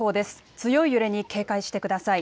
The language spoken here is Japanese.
強い揺れに警戒してください。